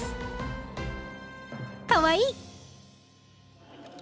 かわいい！